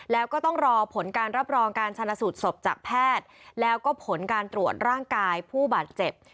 แล้วก็ต้องรอผลการรับรองการชนะสูตรศพจากแพทย์แล้วก็ผลการตรวจร่างกายผู้บาดเจ็บ